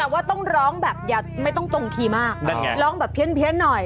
แต่ต้องร้องไม่ต้องตรงทีมากร้องแบบเพียสหน่อย